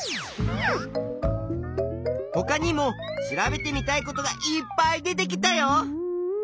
ほかにも調べてみたいことがいっぱい出てきたよ。